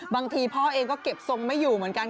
บางทีพ่อเองก็เก็บทรงไม่อยู่เหมือนกัน